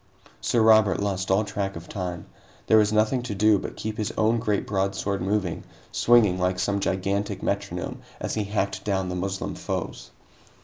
Sir Robert lost all track of time. There was nothing to do but keep his own great broadsword moving, swinging like some gigantic metronome as he hacked down the Moslem foes.